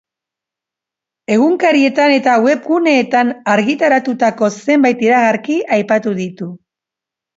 Egunkarietan eta webguneetan argitaratutako zenbait iragarki aipatu ditu.